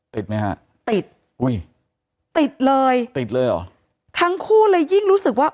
ติดไหมฮะติดติดเลยทั้งคู่เลยยิ่งรู้สึกว่า